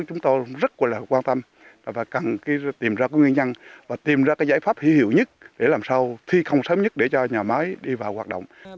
chúng tôi rất là quan tâm và cần tìm ra nguyên nhân và tìm ra giải pháp hữu hiệu nhất để làm sao thi công sớm nhất để cho nhà máy đi vào hoạt động